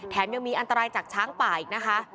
ยังมีอันตรายจากช้างป่าอีกนะคะ